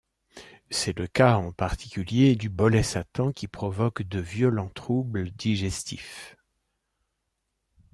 C'est le cas en particulier du bolet Satan qui provoque de violents troubles digestifs.